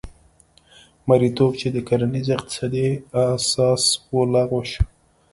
مریتوب چې د کرنیز اقتصاد اساس و لغوه شو.